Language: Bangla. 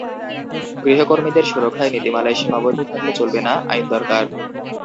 গৃহকর্মীদের সুরক্ষায় নীতিমালায় সীমাবদ্ধ থাকলে চলবে না, আইন দরকার।